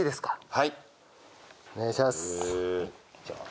はい。